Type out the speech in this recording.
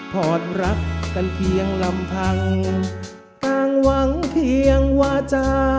อดรักกันเพียงลำพังต่างหวังเพียงวาจา